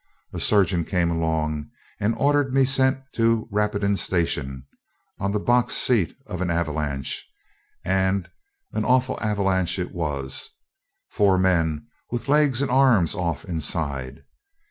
A surgeon came along and ordered me sent to Rapidan Station, on the box seat of an "avalanche"; and an awful "avalanche" it was, four men with legs and arms off inside.